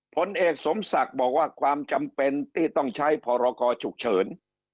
ผลเอกสมศักดิ์บอกว่าความจำเป็นที่ต้องใช้พรกรฉุกเฉิน